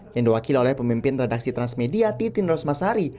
yang diwakil oleh pemimpin redaksi transmedia titin rosmasari